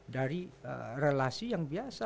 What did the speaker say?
dari relasi yang biasa